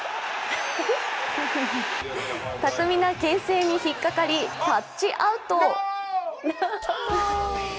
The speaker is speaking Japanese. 巧みなけん制に引っかかりタッチアウト。